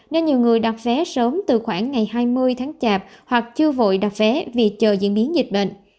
nên nhiều người đặt vé sớm từ khoảng ngày hai mươi tháng chạp hoặc chưa vội đặt vé vì chờ diễn biến dịch bệnh